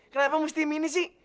kenapa mesti mini sih